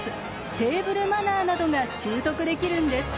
テーブルマナーなどが習得できるんです。